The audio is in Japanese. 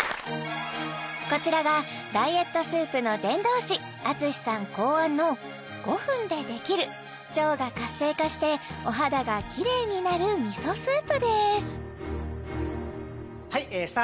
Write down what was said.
こちらがダイエットスープの伝道師Ａｔｓｕｓｈｉさん考案の５分でできる腸が活性化してお肌がキレイになるみそスープですさあ